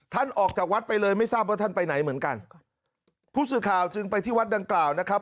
ออกจากวัดไปเลยไม่ทราบว่าท่านไปไหนเหมือนกันผู้สื่อข่าวจึงไปที่วัดดังกล่าวนะครับ